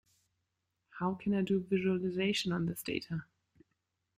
How can I do visualization on this data?